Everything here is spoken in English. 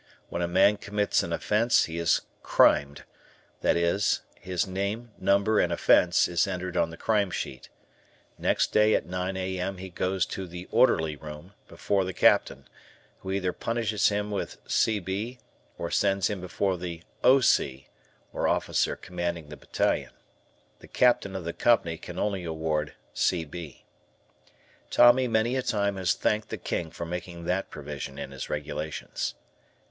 When a man commits an offence, he is "Crimed," that is, his name, number, and offence is entered on the Crime Sheet. Next day at 9 A.M. he goes to the "Orderly Room" before the Captain, who either punishes him with "C.B." or sends him before the O. C. (Officer Commanding Battalion). The Captain of the Company can only award "C. B." Tommy many a time has thanked the King for making that provision in his regulations.